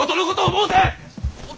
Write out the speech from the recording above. おっ。